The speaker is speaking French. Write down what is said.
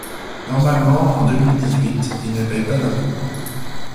Normalement, en deux mille dix-huit, il ne paie pas d’impôt.